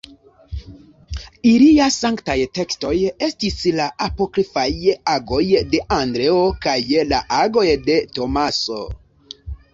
Ilia sanktaj tekstoj estis la apokrifaj Agoj de Andreo kaj la Agoj de Tomaso.